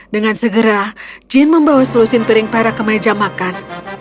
dengan segera jin membawa selusin piring perak ke meja makan